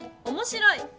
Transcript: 「おもしろい」